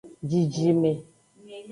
Jijime.